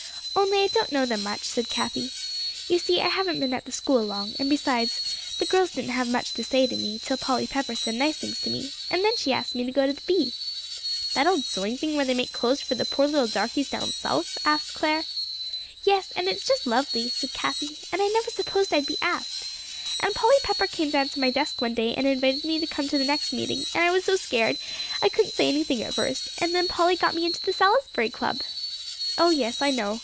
"Only I don't know them much," said Cathie. "You see I haven't been at the school long, and besides, the girls didn't have much to say to me till Polly Pepper said nice things to me, and then she asked me to go to the bee." "That old sewing thing where they make clothes for the poor little darkeys down South?" asked Clare. "Yes; and it's just lovely," said Cathie, "and I never supposed I'd be asked. And Polly Pepper came down to my desk one day, and invited me to come to the next meeting, and I was so scared, I couldn't say anything at first; and then Polly got me into the Salisbury Club." "Oh, yes, I know."